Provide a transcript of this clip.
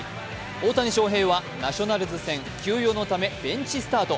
大谷翔平はナショナルズ戦休養のためベンチスタート。